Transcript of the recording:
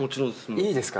いいですか？